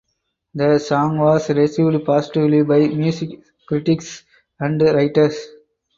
The song was received positively by music critics and writers.